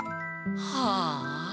はあ。